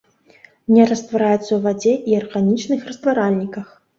Не раствараецца ў вадзе і арганічных растваральніках.